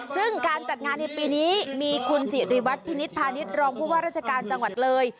ซึ่งการจัดงานในปีนี้มีคุณสิริวัตรพินิษฐพาณิชย์รองผู้ว่าราชการจังหวัดเลย